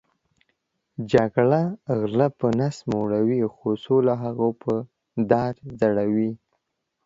جګړه غلۀ په نس مړؤی خو سوله هغوې په دار ځړؤی